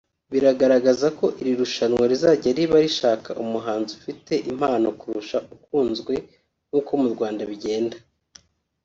bigaragaza ko iri rushanwa rizajya riba rishaka umuhanzi ufite impano kurusha ukunzwe nk’uko mu Rwanda bigenda